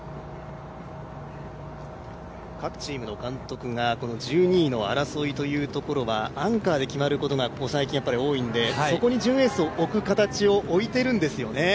各チームの監督が１２位の争いというところは、アンカーで決まることがここ最近多いのでそこに準エースを置く形にしているんですよね。